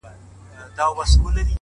په هرباب کي توپانونه -